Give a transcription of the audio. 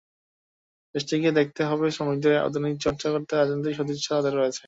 দেশটিকে দেখাতে হবে, শ্রমিকদের অধিকার চর্চা করতে দেওয়ার রাজনৈতিক সদিচ্ছা তাদের রয়েছে।